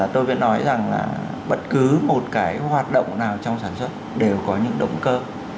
tôi vẫn nói rằng là bất cứ một cái hoạt động nào trong sản xuất đều có những động cơ